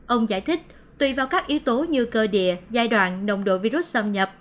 ông giải thích tùy vào các yếu tố như cơ địa giai đoạn nồng độ virus xâm nhập